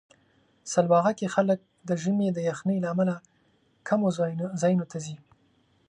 سلواغه کې خلک د ژمي د یخنۍ له امله کمو ځایونو ته ځي.